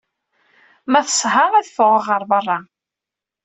Ma teṣha, ad ffɣeɣ ɣer berra.